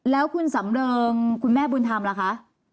แล้วคุณสำเริงคุณแม่บุญธรรมล่ะคะ